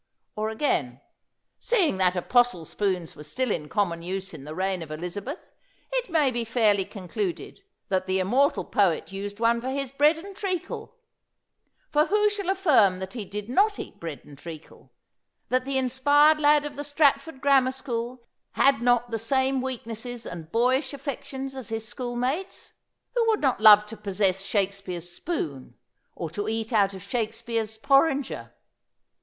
Or again :" Seeing that Apostle spoons were still in common use in the reign of Eliza beth, it may be fairly concluded that the immortal poet used one for his bread and treacle : for who shall affirm that he did not eat bread and treacle, that the inspired lad of the Stratford grammar school had not the same weaknesses and boyish affections as his schoolmates ? Who would not love to possess Shakespeare's spoon, or to eat out of Shakespeare's porringer?"